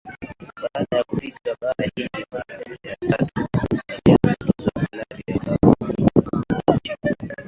Baada ya kufika bara hindi mara ya tatu aliambukizwa malaria akaaga dunia huko Cochin